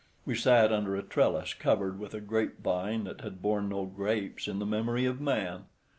We sat under a trellis covered with a grapevine that had borne no grapes in the memory of man.